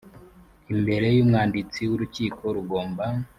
imbere y umwanditsi w urukiko rugomba